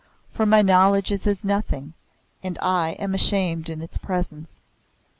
For my knowledge is as nothing, and I am ashamed in its presence."